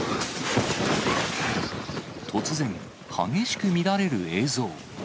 突然、激しく乱れる映像。